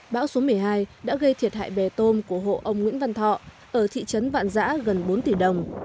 bão số một mươi hai đã gây thiệt hại bè tôm của hộ ông nguyễn văn thọ ở thị trấn vạn giã gần bốn tỷ đồng